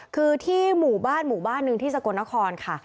คือที่หมู่บ้านหมู่บ้านหนึ่งที่สกลนครค่ะ